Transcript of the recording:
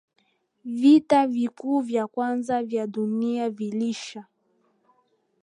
vita vikuu vya kwanza vya dunia viliisha